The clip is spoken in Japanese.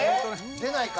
出ないか？